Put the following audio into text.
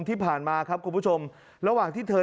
ที่ผ่านมาครับคุณผู้ชมระหว่างที่เธอ